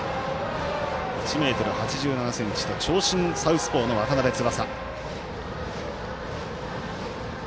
１ｍ８７ｃｍと長身、サウスポーの渡邉翼。